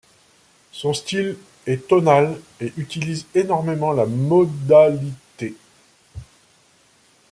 Son style est tonal et utilise énormément la modalité.